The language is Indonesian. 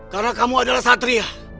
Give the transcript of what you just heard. karena kamu adalah satria